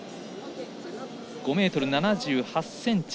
５ｍ７８ｃｍ。